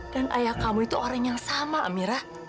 dan ayah kamu itu orang yang sama amira